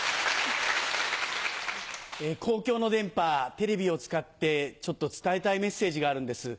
公共の電波テレビを使ってちょっと伝えたいメッセージがあるんです。